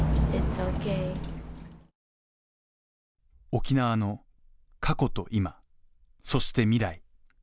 沖縄の過去と今、そして未来。